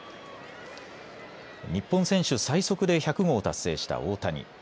日本選手最速で１００号を達成した大谷。